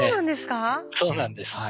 そうなんですか？